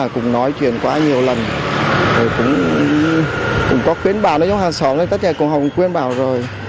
cùng nói chuyện quá nhiều lần cũng có khuyến bảo trong hàng xóm tất cả cùng khuyến bảo rồi